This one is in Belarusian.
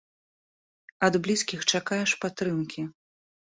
Ад блізкіх чакаеш падтрымкі.